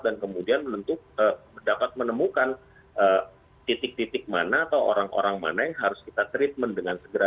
dan kemudian dapat menemukan titik titik mana atau orang orang mana yang harus kita treatment dengan segera